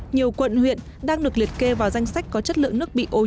nhiều quận huyện đang được liệt kê vào danh sách có chất lượng nước bị ô nhiễm